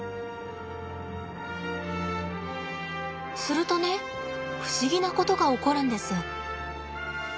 するとね不思議なことが起こるんです。